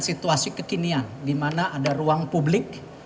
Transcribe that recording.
selalu dan menjadi